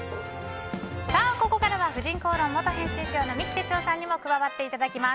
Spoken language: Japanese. ここからは「婦人公論」元編集長の三木哲男さんにも加わっていただきます。